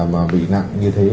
mà bị nặng như thế